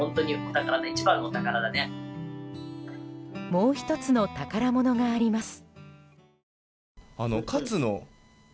もう１つの宝物があります。